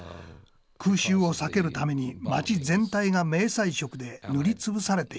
空襲を避けるために町全体が迷彩色で塗りつぶされていました。